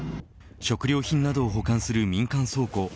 食料品などを保管する民間倉庫